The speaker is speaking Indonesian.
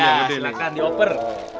ya silahkan dioper